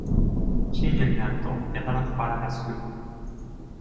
深夜になるとやたら小腹がすく